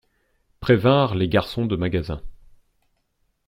Prévinrent les garçons de magasin.